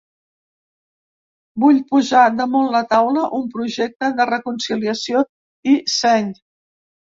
Vull posar damunt la taula un projecte de reconciliació i seny.